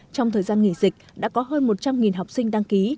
trong thời gian nghỉ dịch đã có hơn một trăm linh học sinh đăng ký